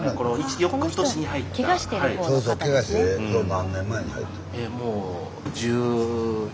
何年前に入ったの？